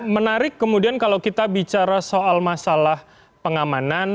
menarik kemudian kalau kita bicara soal masalah pengamanan